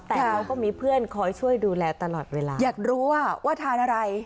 แต่เขาก็มีเพื่อนคอยช่วยดูแลตลอดเวลาอยากรู้ว่าทานอะไร